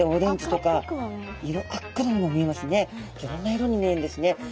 いろんな色に見えるんですね。